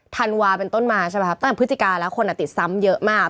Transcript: ธันวาเป็นต้นมาใช่ไหมครับตั้งแต่พฤศจิกาแล้วคนติดซ้ำเยอะมาก